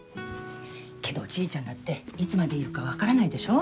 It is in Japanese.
けどじいちゃんだっていつまでいるかわからないでしょ？